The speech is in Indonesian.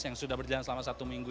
yang sudah berjalan selama satu minggu